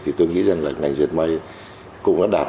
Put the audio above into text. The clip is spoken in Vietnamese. thì tôi nghĩ rằng là ngành dệt may cũng đã đạt